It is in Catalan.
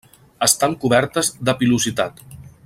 Estan cobertes de pilositat.